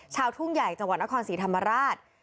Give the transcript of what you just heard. ทุ่งใหญ่จังหวัดนครศรีธรรมราช